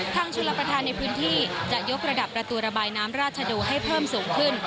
ชนรับประทานในพื้นที่จะยกระดับประตูระบายน้ำราชโดให้เพิ่มสูงขึ้น